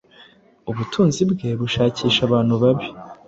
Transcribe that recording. ubutunzi bwe-bushakisha abantu babi